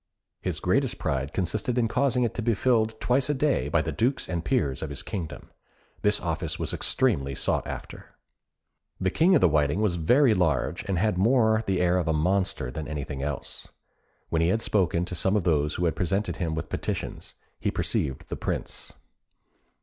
His greatest pride consisted in causing it to be filled twice a day by the dukes and peers of his kingdom. This office was extremely sought after. The King of the Whiting was very large, and had more the air of a monster than of anything else. When he had spoken to some of those who had presented him with petitions, he perceived the Prince.